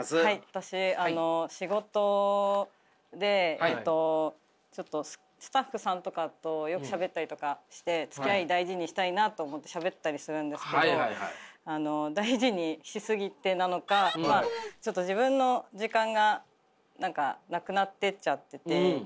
私仕事でちょっとスタッフさんとかとよくしゃべったりとかしてつきあい大事にしたいなと思ってしゃべったりするんですけど大事にし過ぎてなのかちょっと自分の時間が何かなくなってっちゃってて。